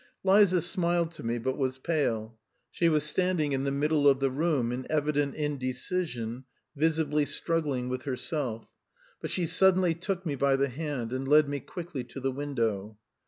Liza smiled to me but was pale. She was standing in the middle of the room in evident indecision, visibly struggling with herself; but she suddenly took me by the hand, and led me quickly to the window.